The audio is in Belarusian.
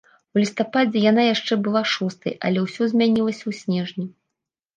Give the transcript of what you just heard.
У лістападзе яна яшчэ была шостай, але ўсё змянілася ў снежні.